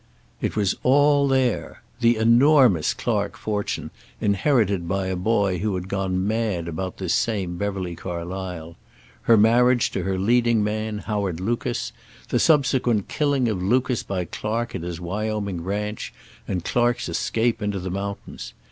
It was all there; the enormous Clark fortune inherited by a boy who had gone mad about this same Beverly Carlysle; her marriage to her leading man, Howard Lucas; the subsequent killing of Lucas by Clark at his Wyoming ranch, and Clark's escape into the mountains.